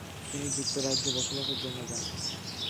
তিনি যুক্তরাজ্যে বসবাসের জন্য যান।